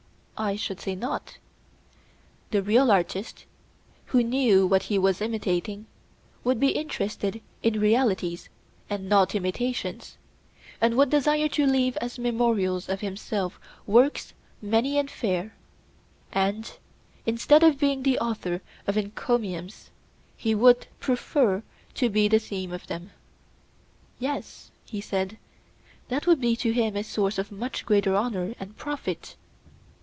I should say not. The real artist, who knew what he was imitating, would be interested in realities and not in imitations; and would desire to leave as memorials of himself works many and fair; and, instead of being the author of encomiums, he would prefer to be the theme of them. Yes, he said, that would be to him a source of much greater honour and profit.